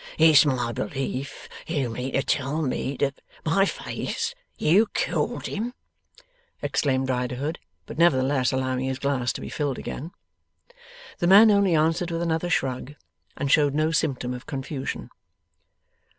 'It's my belief you mean to tell me to my face you killed him!' exclaimed Riderhood; but, nevertheless, allowing his glass to be filled again. The man only answered with another shrug, and showed no symptom of confusion.